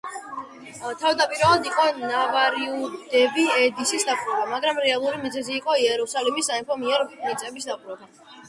თავდაპირველად იყო ნავარაუდევი ედესის დაპყრობა, მაგრამ რეალური მიზეზი იყო იერუსალიმის სამეფოს მიერ მიწების დაპყრობა.